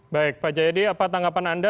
baik pak jayadi apa tanggapan anda